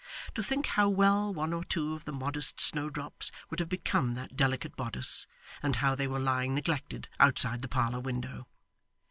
To think how well one or two of the modest snowdrops would have become that delicate bodice, and how they were lying neglected outside the parlour window!